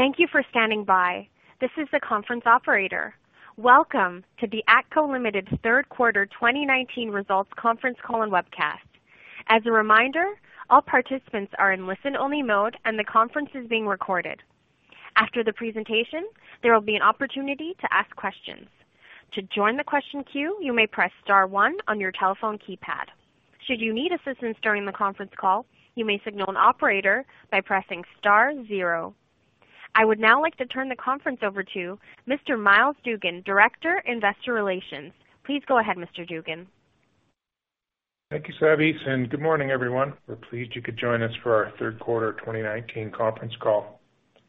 Thank you for standing by. This is the conference operator. Welcome to the ATCO Ltd. Third Quarter 2019 Results Conference Call and Webcast. As a reminder, all participants are in listen-only mode, and the conference is being recorded. After the presentation, there will be an opportunity to ask questions. To join the question queue, you may press star one on your telephone keypad. Should you need assistance during the conference call, you may signal an operator by pressing star zero. I would now like to turn the conference over to Mr. Myles Dougan, Director, Investor Relations. Please go ahead, Mr. Dougan. Thank you, Savise. Good morning, everyone. We're pleased you could join us for our third quarter 2019 conference call.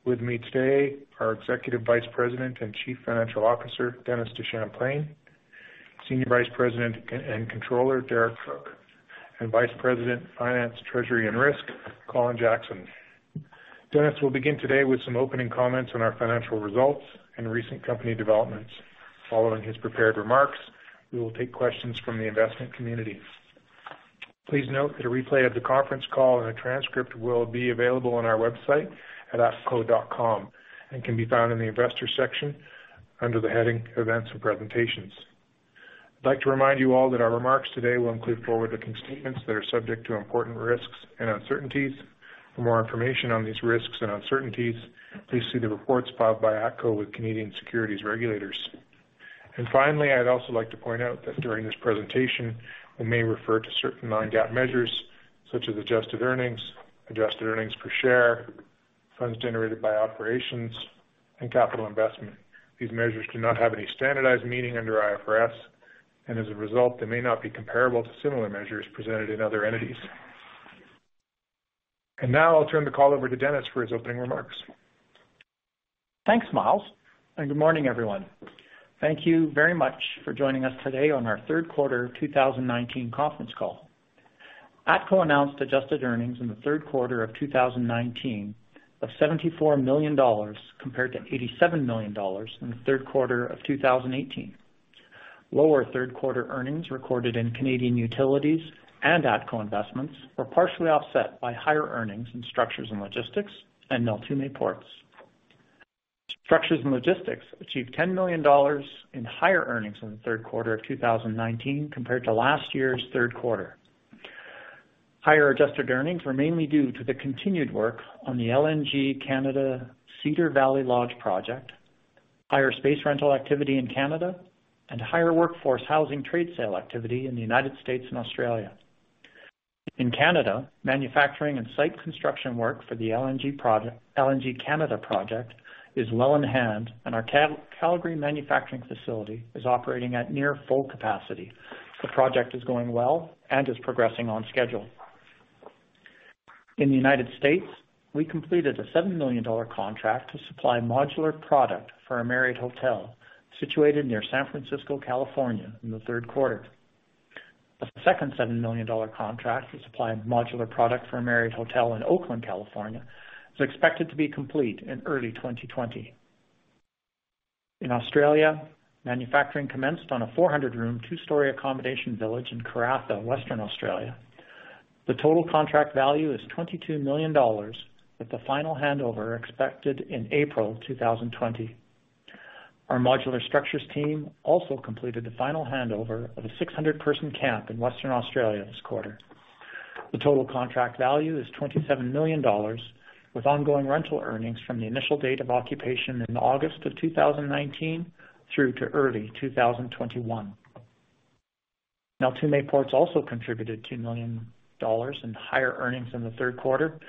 With me today, our Executive Vice President and Chief Financial Officer, Dennis DeChamplain, Senior Vice President and Controller, Derek Cook, and Vice President, Finance, Treasury, and Risk, Colin Jackson. Dennis will begin today with some opening comments on our financial results and recent company developments. Following his prepared remarks, we will take questions from the investment community. Please note that a replay of the conference call and a transcript will be available on our website at atco.com and can be found in the investor section under the heading Events and Presentations. I'd like to remind you all that our remarks today will include forward-looking statements that are subject to important risks and uncertainties. For more information on these risks and uncertainties, please see the reports filed by ATCO with Canadian securities regulators. Finally, I'd also like to point out that during this presentation, we may refer to certain non-GAAP measures such as adjusted earnings, adjusted earnings per share, funds generated by operations, and capital investment. These measures do not have any standardized meaning under IFRS, and as a result, they may not be comparable to similar measures presented in other entities. Now I'll turn the call over to Dennis for his opening remarks. Thanks, Myles, and good morning, everyone. Thank you very much for joining us today on our third quarter 2019 conference call. ATCO announced adjusted earnings in the third quarter of 2019 of 74 million dollars, compared to 87 million dollars in the third quarter of 2018. Lower third-quarter earnings recorded in Canadian Utilities and ATCO Investments were partially offset by higher earnings in Structures & Logistics and Neltume Ports. Structures & Logistics achieved 10 million dollars in higher earnings in the third quarter of 2019 compared to last year's third quarter. Higher adjusted earnings were mainly due to the continued work on the LNG Canada Cedar Valley Lodge project, higher space rental activity in Canada, and higher workforce housing trade sale activity in the U.S. and Australia. In Canada, manufacturing and site construction work for the LNG Canada project is well in hand, and our Calgary manufacturing facility is operating at near full capacity. The project is going well and is progressing on schedule. In the United States, we completed a 7 million dollar contract to supply modular product for a Marriott hotel situated near San Francisco, California, in the third quarter. A second 7 million dollar contract to supply modular product for a Marriott hotel in Oakland, California, is expected to be complete in early 2020. In Australia, manufacturing commenced on a 400-room, two-story accommodation village in Karratha, Western Australia. The total contract value is 22 million dollars, with the final handover expected in April 2020. Our modular structures team also completed the final handover of a 600-person camp in Western Australia this quarter. The total contract value is 27 million dollars, with ongoing rental earnings from the initial date of occupation in August of 2019 through to early 2021. Neltume Ports also contributed 2 million dollars in higher earnings in the third quarter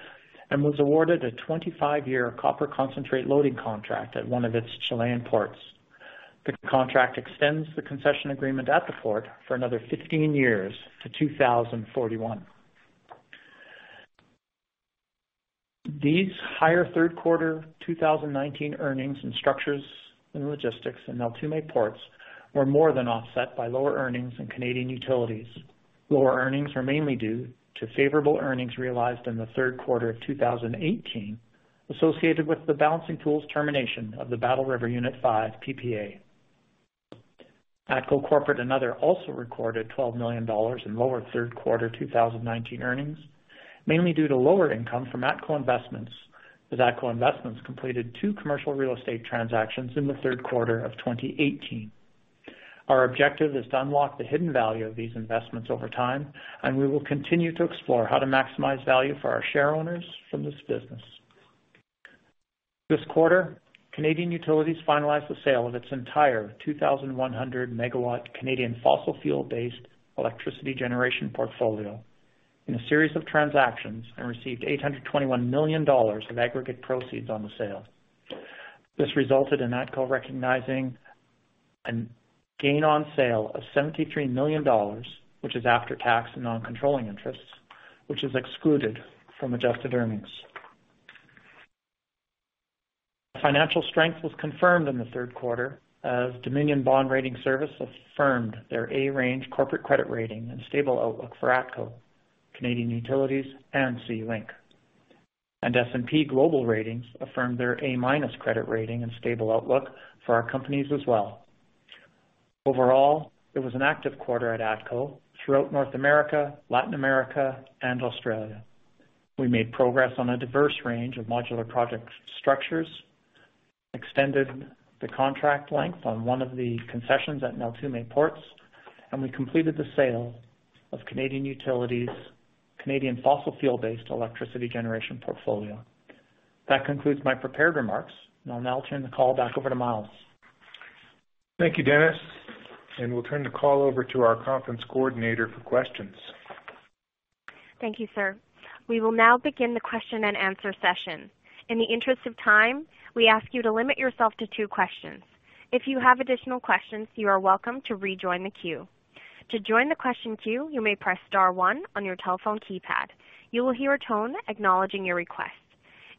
and was awarded a 25-year copper concentrate loading contract at one of its Chilean ports. The contract extends the concession agreement at the port for another 15 years to 2041. These higher third quarter 2019 earnings in Structures & Logistics and Neltume Ports were more than offset by lower earnings in Canadian Utilities. Lower earnings are mainly due to favorable earnings realized in the third quarter of 2018 associated with the Balancing Pool's termination of the Battle River Unit 5 PPA. ATCO Corporate & Other also recorded 12 million dollars in lower third quarter 2019 earnings, mainly due to lower income from ATCO Investments, with ATCO Investments completed two commercial real estate transactions in the third quarter of 2018. Our objective is to unlock the hidden value of these investments over time. We will continue to explore how to maximize value for our shareowners from this business. This quarter, Canadian Utilities finalized the sale of its entire 2,100-megawatt Canadian fossil fuel-based electricity generation portfolio in a series of transactions and received 821 million dollars of aggregate proceeds on the sale. This resulted in ATCO recognizing a gain on sale of 73 million dollars, which is after tax and non-controlling interests, which is excluded from adjusted earnings. Financial strength was confirmed in the third quarter as Dominion Bond Rating Service affirmed their A-range corporate credit rating and stable outlook for ATCO, Canadian Utilities, and SeaLink. S&P Global Ratings affirmed their A- credit rating and stable outlook for our companies as well. Overall, it was an active quarter at ATCO throughout North America, Latin America, and Australia. We made progress on a diverse range of modular project structures, extended the contract length on one of the concessions at Neltume Ports, and we completed the sale of Canadian Utilities' Canadian fossil fuel-based electricity generation portfolio. That concludes my prepared remarks, and I'll now turn the call back over to Myles. Thank you, Dennis. We'll turn the call over to our conference coordinator for questions. Thank you, sir. We will now begin the question and answer session. In the interest of time, we ask you to limit yourself to two questions. If you have additional questions, you are welcome to rejoin the queue. To join the question queue, you may press star one on your telephone keypad. You will hear a tone acknowledging your request.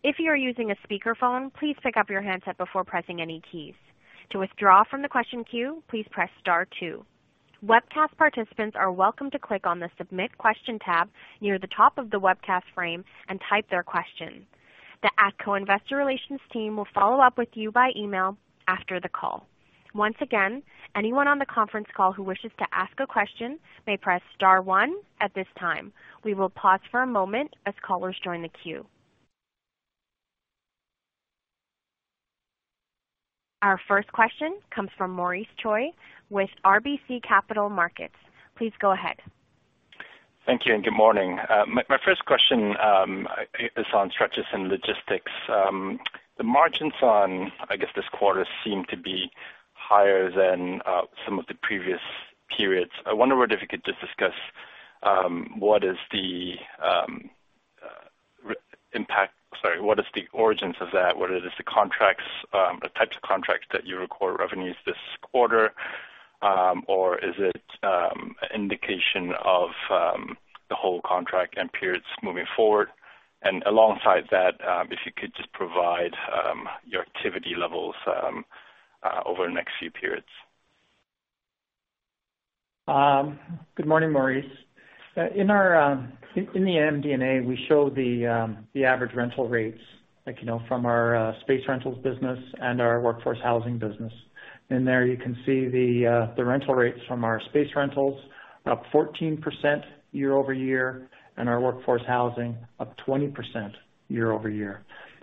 If you are using a speakerphone, please pick up your handset before pressing any keys. To withdraw from the question queue, please press star two. Webcast participants are welcome to click on the Submit Question tab near the top of the webcast frame and type their question. The ATCO Investor Relations team will follow up with you by email after the call. Once again, anyone on the conference call who wishes to ask a question may press star one at this time. We will pause for a moment as callers join the queue. Our first question comes from Maurice Choy with RBC Capital Markets. Please go ahead. Thank you. Good morning. My first question is on Structures & Logistics. The margins on, I guess, this quarter seem to be higher than some of the previous periods. I wonder whether if you could just discuss what is the origins of that, whether it is the types of contracts that you record revenues this quarter, or is it an indication of the whole contract and periods moving forward? Alongside that, if you could just provide your activity levels over the next few periods. Good morning, Maurice. In the MD&A, we show the average rental rates from our space rentals business and our workforce housing business. In there, you can see the rental rates from our space rentals up 14% year-over-year and our workforce housing up 20% year-over-year.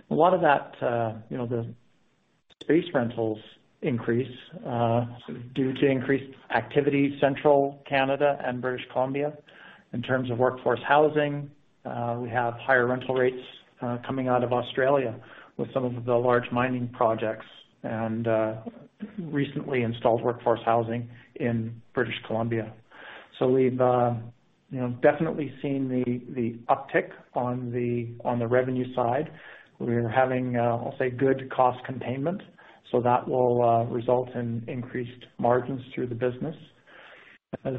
A lot of that, the space rentals increase due to increased activity, Central Canada and British Columbia. In terms of workforce housing, we have higher rental rates coming out of Australia with some of the large mining projects and recently installed workforce housing in British Columbia. We've definitely seen the uptick on the revenue side. We're having, I'll say, good cost containment, so that will result in increased margins through the business. As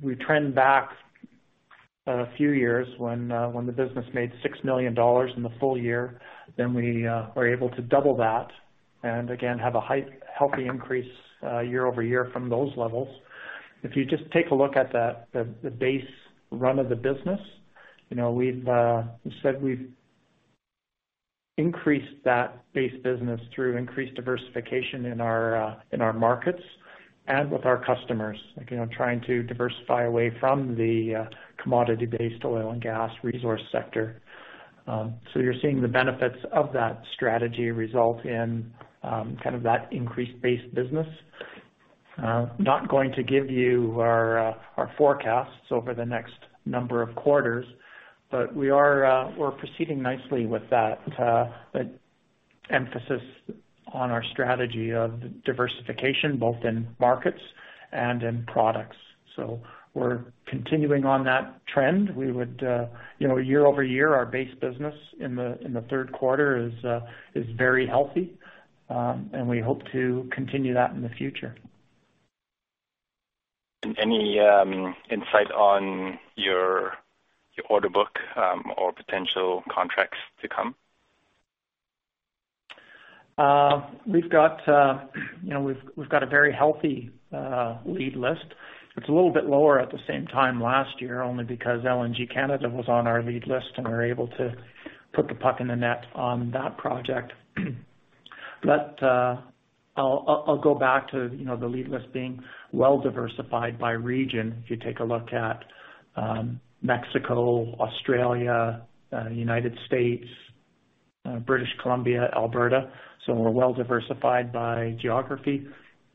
we trend back a few years when the business made 6 million dollars in the full year, we are able to double that and again, have a healthy increase year-over-year from those levels. If you just take a look at the base run of the business, we've said we've increased that base business through increased diversification in our markets and with our customers, trying to diversify away from the commodity-based oil and gas resource sector. You're seeing the benefits of that strategy result in that increased base business. Not going to give you our forecasts over the next number of quarters, we're proceeding nicely with that emphasis on our strategy of diversification, both in markets and in products. We're continuing on that trend. Year-over-year, our base business in the third quarter is very healthy, and we hope to continue that in the future. Any insight on your order book or potential contracts to come? We've got a very healthy lead list. It's a little bit lower at the same time last year, only because LNG Canada was on our lead list, and we were able to put the puck in the net on that project. I'll go back to the lead list being well diversified by region. If you take a look at Mexico, Australia, U.S., British Columbia, Alberta. We're well diversified by geography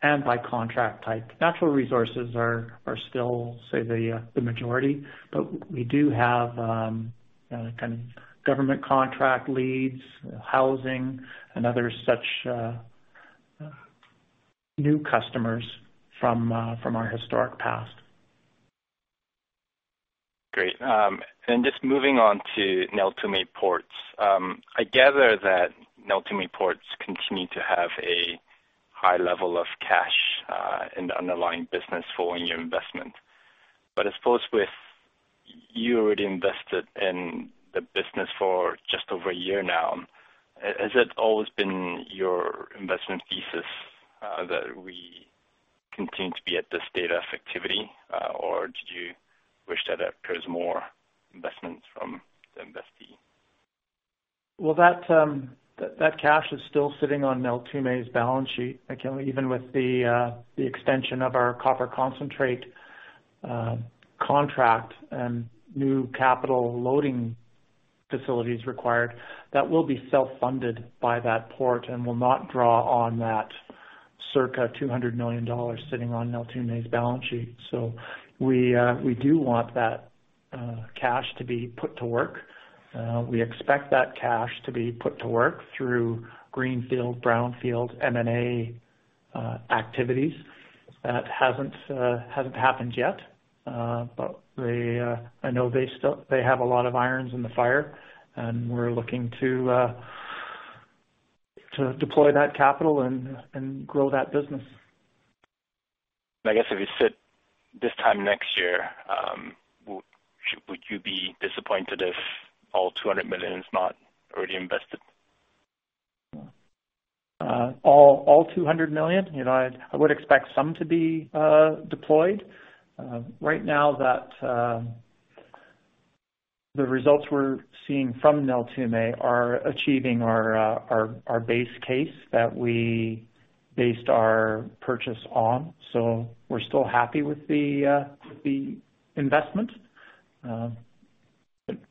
and by contract type. Natural resources are still, say, the majority, but we do have government contract leads, housing, and other such new customers from our historic past. Great. Just moving on to Neltume Ports. I gather that Neltume Ports continue to have a high level of cash in the underlying business for your investment. I suppose with you already invested in the business for just over a year now, has it always been your investment thesis that we continue to be at this state of activity? Do you wish that there was more investments from the investee? That cash is still sitting on Neltume's balance sheet. Even with the extension of our copper concentrate contract and new capital loading facilities required, that will be self-funded by that port and will not draw on that circa 200 million dollars sitting on Neltume's balance sheet. We do want that cash to be put to work. We expect that cash to be put to work through greenfield, brownfield, M&A activities. That hasn't happened yet. I know they have a lot of irons in the fire, and we're looking to deploy that capital and grow that business. I guess if you sit this time next year, would you be disappointed if all 200 million is not already invested? All 200 million? I would expect some to be deployed. Right now, the results we're seeing from Neltume are achieving our base case that we based our purchase on. We're still happy with the investment.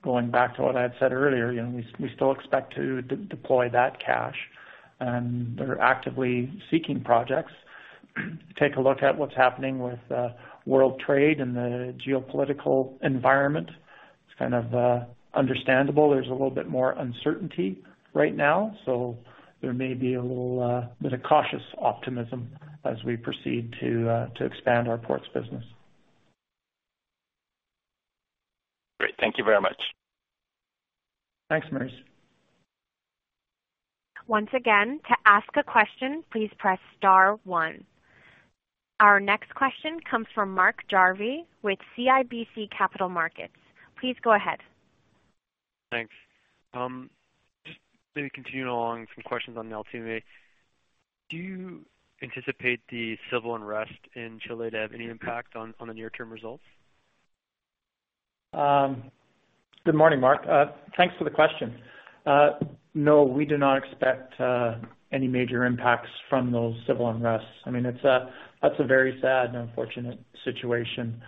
Going back to what I had said earlier, we still expect to deploy that cash, and they're actively seeking projects. Take a look at what's happening with world trade and the geopolitical environment. It's kind of understandable. There's a little bit more uncertainty right now, so there may be a little bit of cautious optimism as we proceed to expand our ports business. Great. Thank you very much. Thanks, Maurice. Once again, to ask a question, please press star one. Our next question comes from Mark Jarvi with CIBC Capital Markets. Please go ahead. Thanks. Just maybe continuing along some questions on Neltume. Do you anticipate the civil unrest in Chile to have any impact on the near-term results? Good morning, Mark. Thanks for the question. No, we do not expect any major impacts from those civil unrests. That's a very sad and unfortunate situation.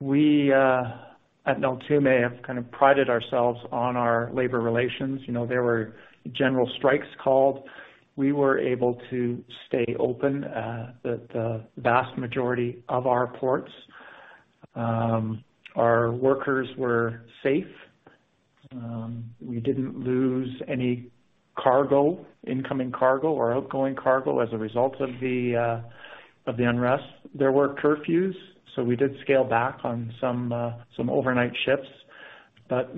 We at Neltume have kind of prided ourselves on our labor relations. There were general strikes called. We were able to stay open the vast majority of our ports. Our workers were safe. We didn't lose any cargo, incoming cargo, or outgoing cargo as a result of the unrest. There were curfews, so we did scale back on some overnight shifts.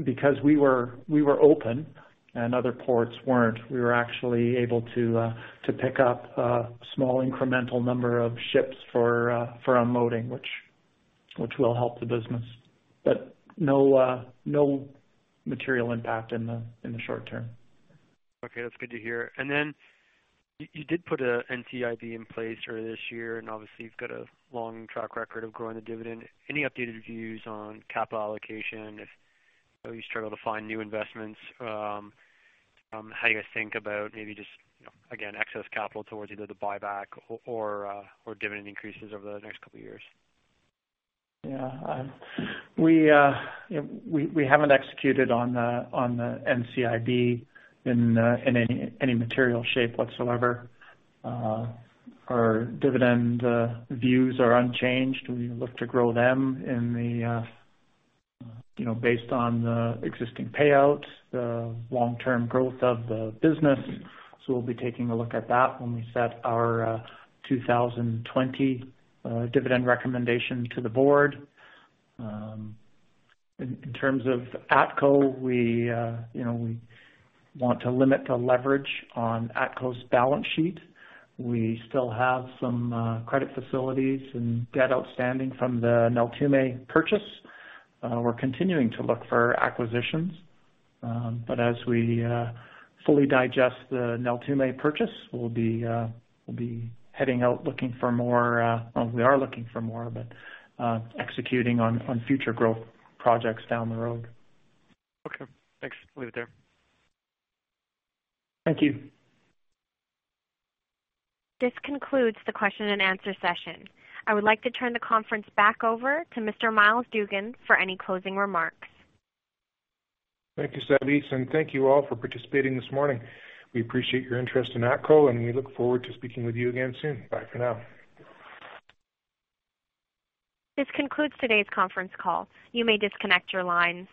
Because we were open and other ports weren't, we were actually able to pick up a small incremental number of shifts for unloading, which will help the business. No material impact in the short term. Okay, that's good to hear. Then you did put an NCIB in place earlier this year, and obviously you've got a long track record of growing the dividend. Any updated views on capital allocation if you struggle to find new investments? How do you guys think about maybe just, again, excess capital towards either the buyback or dividend increases over the next couple of years? We haven't executed on the NCIB in any material shape whatsoever. Our dividend views are unchanged. We look to grow them based on the existing payouts, the long-term growth of the business. We'll be taking a look at that when we set our 2020 dividend recommendation to the board. In terms of ATCO, we want to limit the leverage on ATCO's balance sheet. We still have some credit facilities and debt outstanding from the Neltume purchase. We're continuing to look for acquisitions. As we fully digest the Neltume purchase, we are looking for more, but executing on future growth projects down the road. Okay, thanks. Leave it there. Thank you. This concludes the question and answer session. I would like to turn the conference back over to Mr. Myles Dougan for any closing remarks. Thank you, Savise, and thank you all for participating this morning. We appreciate your interest in ATCO, and we look forward to speaking with you again soon. Bye for now. This concludes today's conference call. You may disconnect your line.